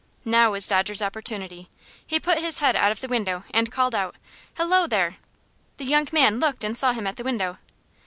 Now was Dodger's opportunity. He put his head out of the window and called out: "Hello, there!" The young man looked and saw him at the window.